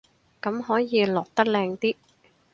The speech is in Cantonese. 咁可以落得靚啲